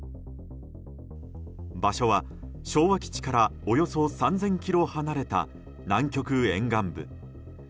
場所は、昭和基地からおよそ３０００ｋｍ離れた南極沿岸部。